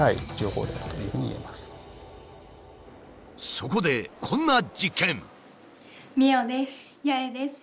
そこでこんな実験。